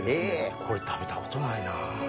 これ食べたことないな。